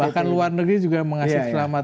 bahkan luar negeri juga mengasih selamat